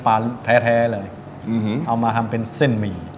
เส้นปลาเต้าซี่